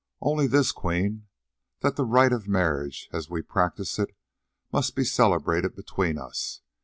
"Only this, Queen, that the rite of marriage as we practise it must be celebrated between us.